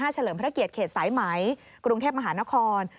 เลิมพระเกียรติเขตสายไหมกรุงเทพมหานคร